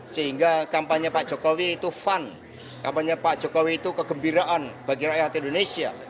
sehingga kampanye pak jokowi itu fun kampanye pak jokowi itu kegembiraan bagi rakyat indonesia